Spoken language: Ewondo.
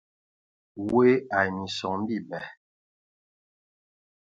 Woe ai minson bibɛ.